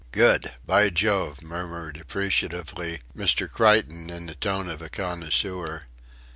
"Good! By Jove," murmured appreciatively Mr. Creighton in the tone of a connoisseur.